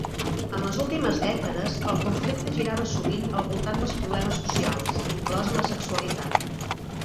En les últimes dècades, el conflicte girava sovint al voltant dels problemes socials, inclosa la sexualitat.